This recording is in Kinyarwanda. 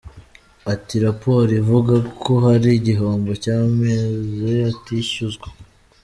Ati “Raporo ivuga ko hari igihombo cy’amazi atishyuzwa.